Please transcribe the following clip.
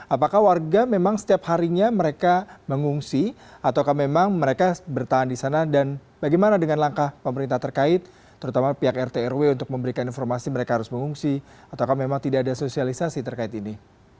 apakah warga memang setiap harinya mereka mengungsi ataukah memang mereka bertahan di sana dan bagaimana dengan langkah pemerintah terkait terutama pihak rt rw untuk memberikan informasi mereka harus mengungsi atau memang tidak ada sosialisasi terkait ini